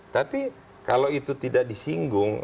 tapi kalau itu tidak disinggung